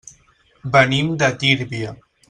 Venim de Tírvia.